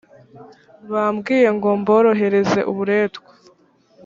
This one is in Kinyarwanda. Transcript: bambwiye ngo nimborohereze uburetwa